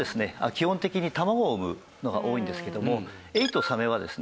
基本的に卵を産むのが多いんですけどもエイとサメはですね